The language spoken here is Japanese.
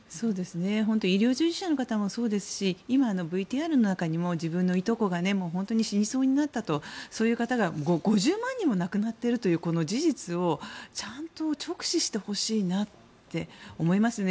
本当に医療従事者の方もそうですし今、ＶＴＲの中でも自分のいとこが本当に死にそうになったとそういう方が５０万人も亡くなっているというこの事実をちゃんと直視してほしいなって思いますね。